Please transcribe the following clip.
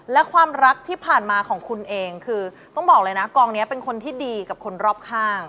และความรักที่ผ่านมาของคุณเองคือต้องบอกเลยนะกองนี้เป็นคนที่ดีกับคนรอบข้าง